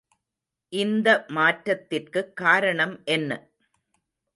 இந்த மாற்றத்திற்குக் காரணம் என்ன?